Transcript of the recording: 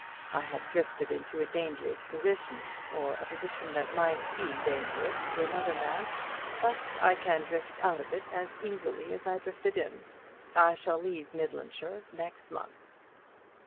I have drifted into a dangerous position, or a position that might be dangerous to another man; but I can drift out of it as easily as I drifted in. I shall leave Midlandshire next month."